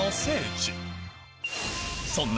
そんな